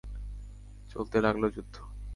চলতে লাগল যুদ্ধ।